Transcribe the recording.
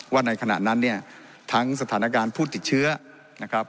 ในขณะนั้นเนี่ยทั้งสถานการณ์ผู้ติดเชื้อนะครับ